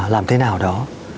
làm thế nào đó